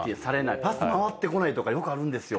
パス回ってこないとかよくあるんです。